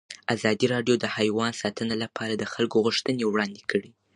ازادي راډیو د حیوان ساتنه لپاره د خلکو غوښتنې وړاندې کړي.